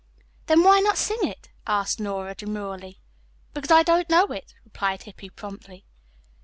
"Then, why not sing it?" asked Nora demurely. "Because I don't know it," replied Hippy promptly.